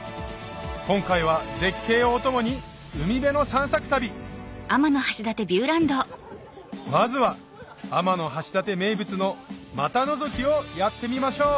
今回は絶景をお供に海辺の散策旅まずは天橋立名物の股のぞきをやってみましょう！